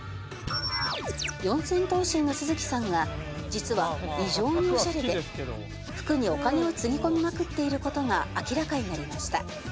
四千頭身の都築さんが実は異常にオシャレで服にお金をつぎ込みまくっている事が明らかになりました。